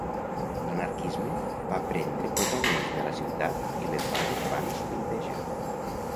L’anarquisme va prendre protagonisme a la ciutat i les vagues van sovintejar.